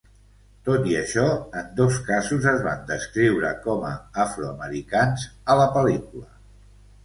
Tot i això, en dos casos es van descriure com a afroamericans a la pel·lícula.